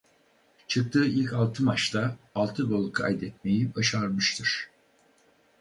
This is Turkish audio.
Çıktığı ilk altı maçta altı gol kaydetmeyi başarmıştır.